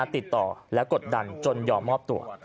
ติดต่อและกดดันจนยอมมอบตัว